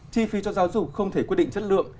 chi phí cho giáo dục không thể quyết định chất lượng